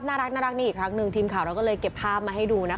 ผมก็กลัวว่าเขาอาจจะไม่มีเวลา